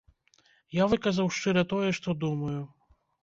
Я выказаў шчыра тое, што думаю.